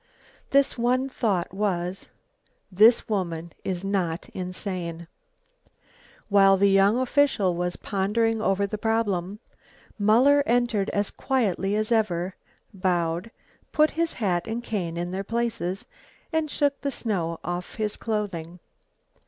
This one thought was, "This woman is not insane." While the young official was pondering over the problem, Muller entered as quietly as ever, bowed, put his hat and cane in their places, and shook the snow off his clothing.